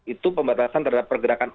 itu pembatasan terhadap pergerakan